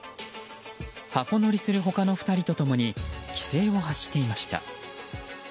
ハコ乗りする他の２人と共に奇声を発していました。